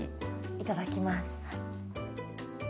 いただきます。